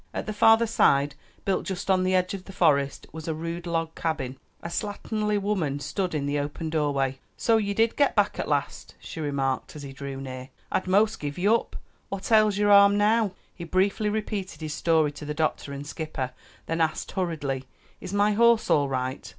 At the farther side, built just on the edge of the forest, was a rude log cabin. A slatternly woman stood in the open doorway. "So ye did get back at last?" she remarked, as he drew near. "I'd most give ye up. What ails your arm now?" He briefly repeated his story to the doctor and skipper; then asked hurriedly, "Is my horse all right?"